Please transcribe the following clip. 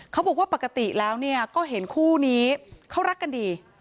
เขาบอกว่าปกติแล้วก็เห็นคู่นี้เขารักกันดี